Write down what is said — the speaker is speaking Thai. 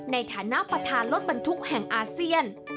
ในฐานะประธานรถบรรทุกแห่งอาเซียน